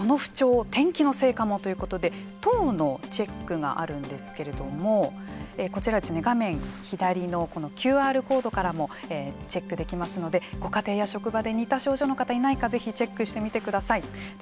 「その不調、天気のせいかも！？」ということで１０のチェックがあるんですけれどもこちら、画面左のＱＲコードからもチェックできますのでご家庭や職場で似た症状の方がいないかぜひチェックしてみてください。